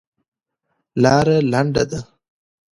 لاره لنډه ده.